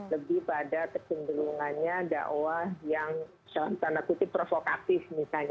lebih pada kecenderungannya dakwah yang dalam tanda kutip provokatif misalnya